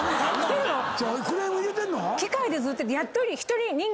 クレーム入れてんの⁉それで。